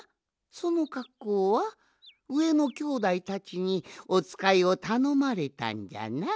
そのかっこうはうえのきょうだいたちにおつかいをたのまれたんじゃな？